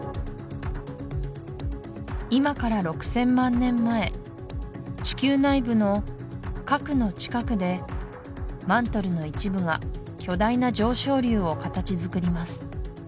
今から６０００万年前地球内部の核の近くでマントルの一部が巨大な上昇流を形づくります